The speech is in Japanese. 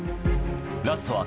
ラストは